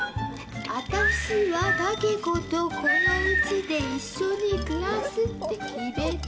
私はタケコとこのうちで一緒に暮らすって決めたの。